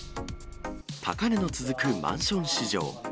高値の続くマンション市場。